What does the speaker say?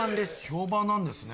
評判なんですね。